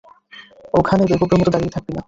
ওখানে বেকুবের মতো দাঁড়িয়ে থাকবি না।